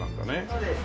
そうです。